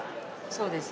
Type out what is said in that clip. そうです。